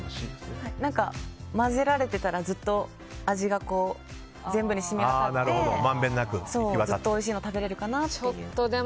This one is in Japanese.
混ぜられてたらずっと味が全部に染みわたってずっとおいしいのが食べられるかなって。